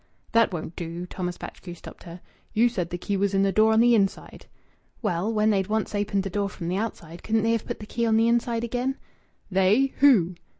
"That won't do," Thomas Batchgrew stopped her. "You said the key was in the door on the inside." "Well, when they'd once opened the door from the outside, couldn't they have put the key on the inside again?" "They? Who?"